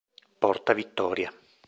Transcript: Porta Vittoria